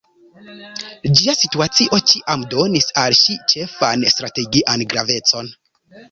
Ĝia situacio ĉiam donis al si ĉefan strategian gravecon.